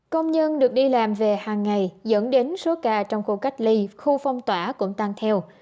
công nhân được đi làm về hàng ngày dẫn đến số ca trong khu cách ly khu phong tỏa cũng tăng theo